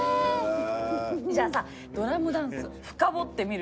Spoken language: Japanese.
じゃあさドラムダンスフカボってみる？